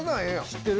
知ってる？